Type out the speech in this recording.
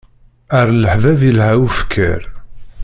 Ar leḥbab ilha ufekkeṛ.